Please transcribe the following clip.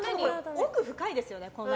奥深いですよね。